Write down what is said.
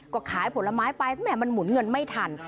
ก็ขายผลไม้ไปแห่มันหมุนเงินไม่ทัน